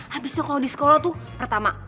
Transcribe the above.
habisnya kalau di sekolah tuh pertama